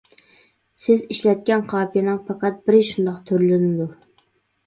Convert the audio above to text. سىز ئىشلەتكەن قاپىيەنىڭ پەقەت بىرى شۇنداق تۈرلىنىدۇ.